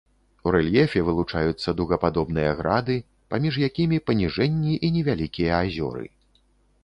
У рэльефе вылучаюцца дугападобныя грады, паміж якімі паніжэнні і невялікія азёры.